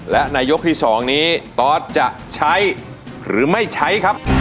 และในยกที่๒นี้ตอสจะใช้หรือไม่ใช้ครับ